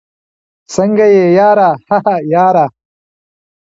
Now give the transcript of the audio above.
څنګه يې ياره؟ هههه ياره